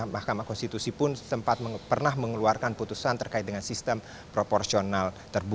mahkamah konstitusi pun sempat pernah mengeluarkan putusan terkait dengan sistem proporsional